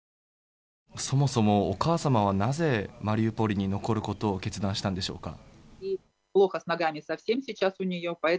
そもそもお母様はなぜマリウポリに残ることを決断したんでしょうか？